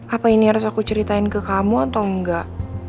apa ini harus aku ceritain ke kamu atau enggak